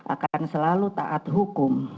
akan selalu taat hukum